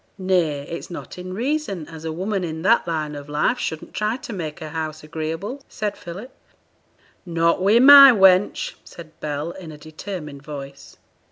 'Nay, it's not in reason as a woman i' that line o' life shouldn't try to make her house agreeable,' said Philip. 'Not wi' my wench,' said Bell, in a determined voice.